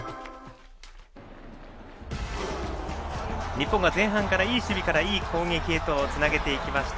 日本が前半からいい守備からいい攻撃へとつなげていきました。